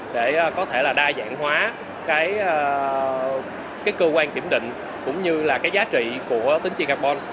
để có thể là đa dạng hóa cái cơ quan kiểm định cũng như là cái giá trị của tính trị carbon